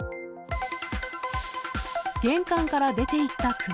玄関から出ていった熊。